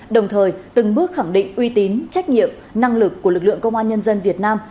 đồng thời từng bước khẳng định uy tín trách nhiệm năng lực của lực lượng công an nhân dân việt nam